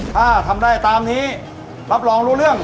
ถ้าทำได้ตามนี้รับรองรู้เรื่อง